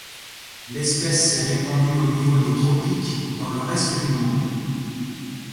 L'espèce s'est répandue au niveau des tropiques dans le reste du monde.